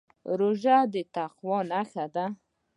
روژه د تقوا نښه ده.